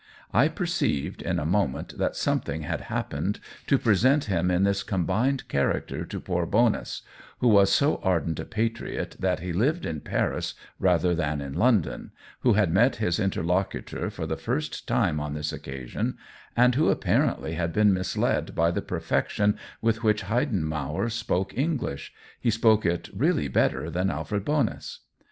I perceived in a moment that something had happened to present him in this combined character to poor Bonus, who was so ardent a patriot that he lived in Paris rather than in London, who had met his interlocutor for the first time on this occasion, and who zp parently had been misled by the perfection with which Heidenmauer spoke English — he spoke it really better than Alfred Bonus.